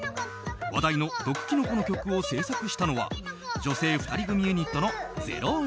話題の「毒きのこの曲」を制作したのは女性２人ユニットの０ａｍ。